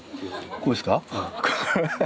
これですか？